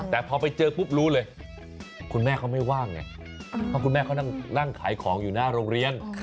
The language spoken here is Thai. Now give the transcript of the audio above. แต่พอไปเจอปุ๊บรู้เลยคุณแม่เขาไม่ว่างไงเพราะคุณแม่เขานั่งขายของอยู่หน้าโรงเรียน